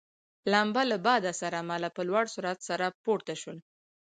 لمبه له باده سره مله په لوړ سرعت سره پورته شول.